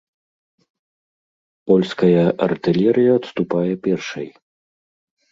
Польская артылерыя адступае першай.